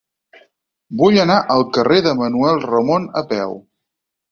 Vull anar al carrer de Manuel Ramon a peu.